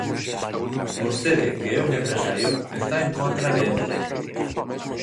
Vostede, que é un empresario, está en contra de Ence.